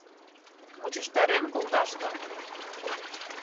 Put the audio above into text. Мучыштарен колташ гын?